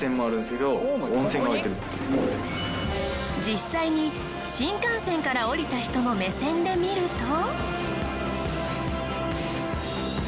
実際に新幹線から降りた人の目線で見ると。